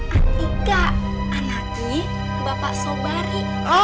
atika anaknya bapak sobari